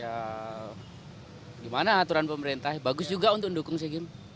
ya gimana aturan pemerintah bagus juga untuk mendukung segim